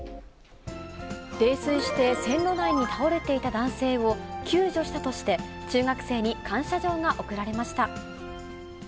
泥酔して線路内に倒れていた男性を、救助したとして、中学生に感謝状が贈られました。